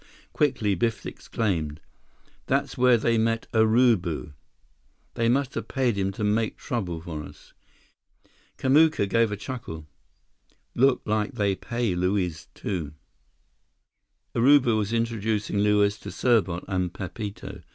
Quickly, Biff exclaimed: "That's where they met Urubu! They must have paid him to make trouble for us!" Kamuka gave a chuckle. "Look like they pay Luiz, too." Urubu was introducing Luiz to Serbot and Pepito.